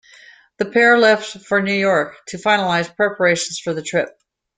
The pair left for New York to finalize preparations for the trip.